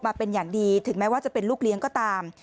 มาเป็นอย่างดีถึงแม้ว่าจะเป็นลูกเลี้ยงก็ตาม